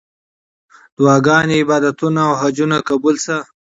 دعاګانې، عبادتونه او حجونه قبول سه.